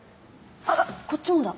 あっこっちもだ。